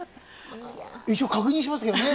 一応確認しますけどね。